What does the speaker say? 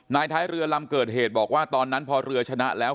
ท้ายเรือลำเกิดเหตุบอกว่าตอนนั้นพอเรือชนะแล้ว